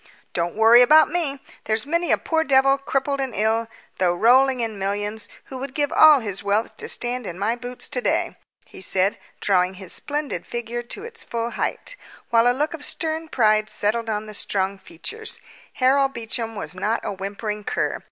"Don't worry about me. There's many a poor devil, crippled and ill, though rolling in millions, who would give all his wealth to stand in my boots today," he said, drawing his splendid figure to its full height, while a look of stern pride settled on the strong features. Harold Beecham was not a whimpering cur.